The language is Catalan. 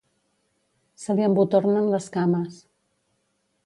Se li embotornen les cames.